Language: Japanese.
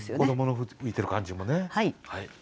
子どもの吹いてる感じもね。